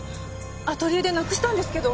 アトリエでなくしたんですけど。